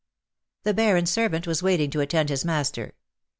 The Baron^s servant v^^as waiting to attend his master.